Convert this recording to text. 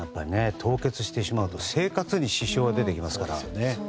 凍結してしまうと生活に支障が出てきますからね。